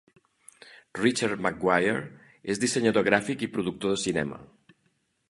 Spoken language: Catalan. Richard McGuire és dissenyador gràfic i productor de cinema.